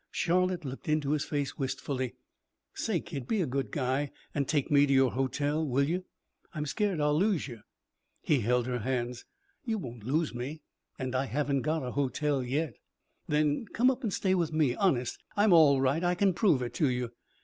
Charlotte looked into his face wistfully. "Say, kid, be a good guy and take me to your hotel, will you? I'm scared I'll lose you." He held her hands. "You won't lose me. And I haven't got a hotel yet." "Then come up an' stay with me. Honest, I'm all right. I can prove it to you.